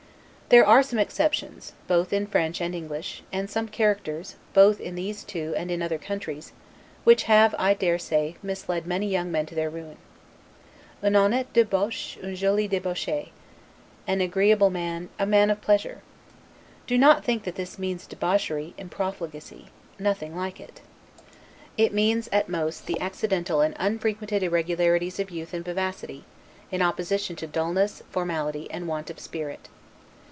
There are some expressions, both in French and English, and some characters, both in those two and in other countries, which have, I dare say, misled many young men to their ruin. 'Une honnete debauche, une jolie debauche; "An agreeable rake, a man of pleasure." Do not think that this means debauchery and profligacy; nothing like it. It means, at most, the accidental and unfrequent irregularities of youth and vivacity, in opposition to dullness, formality, and want of spirit.